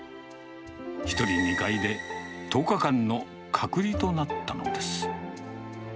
１人、２階で１０日間の隔離となったのです。